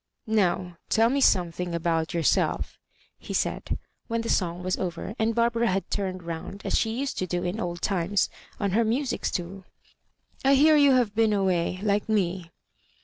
"Now, tell me something about yourself," he said, when the song was over, and Barbara had turned round, as she used to do in old times, on her music stool; "I hear you have been away, like me."